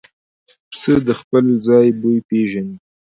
پسه د خپل ځای بوی پېژني.